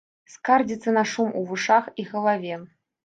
Скардзіцца на шум у вушах і галаве.